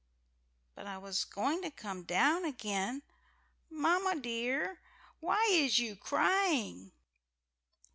But I was going to come down again Mamma dear, why is you crying?"